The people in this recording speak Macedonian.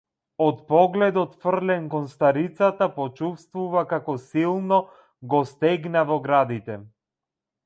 Од погледот фрлен кон старицата, почувствува како силно го стегна во градите.